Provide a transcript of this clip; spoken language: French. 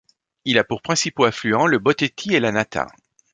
Il a pour principaux affluents le Boteti et la Nata.